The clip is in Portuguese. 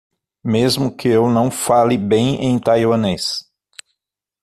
Mesmo que eu não fale bem em taiwanês